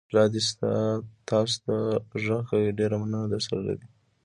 پلا دې تاسوته غږ کوي، ډېره مینه درسره لري!